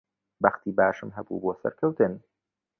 بەختی باشم هەبوو بۆ سەرکەوتن.